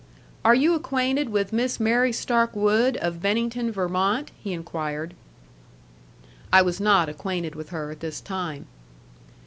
"Are you acquainted with Miss Mary Stark Wood of Bennington, Vermont?" he inquired. I was not acquainted with her at this time.